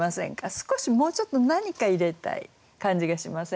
少しもうちょっと何か入れたい感じがしませんか？